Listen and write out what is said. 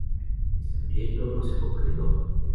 Este proyecto no se concretó.